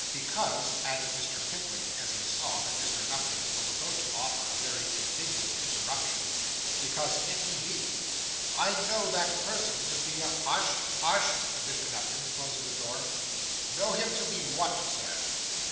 Because,' added Mr. Pickwick, as he saw that Mr. Nupkins was about to offer a very indignant interruption, 'because if he be, I know that person to be a ' 'Hush, hush,' said Mr. Nupkins, closing the door. 'Know him to be what, Sir?